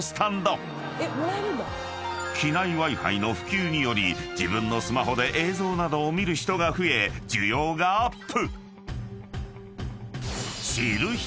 ［機内Ｗｉ−Ｆｉの普及により自分のスマホで映像などを見る人が増え需要がアップ］